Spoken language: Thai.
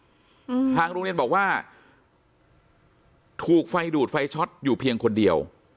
อืมทางโรงเรียนบอกว่าถูกไฟดูดไฟช็อตอยู่เพียงคนเดียว